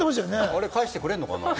あれ返してくれるのかな？